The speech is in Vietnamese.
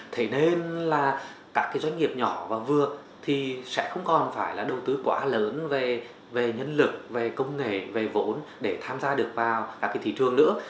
thế nên là các cái doanh nghiệp nhỏ và vừa thì sẽ không còn phải là đầu tư quá lớn về nhân lực về công nghệ về vốn để tham gia được vào các cái thị trường nữa